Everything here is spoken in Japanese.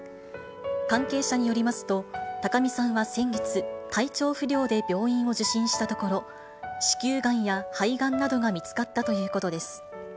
関係者によりますと、高見さんは先月、体調不良で病院を受診したところ、子宮がんや肺がんなどが見つかったということです。